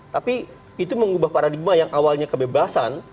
tapi itu mengubah paradigma yang awalnya kebebasan